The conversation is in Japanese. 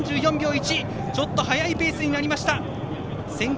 ちょっと速いペースになりました。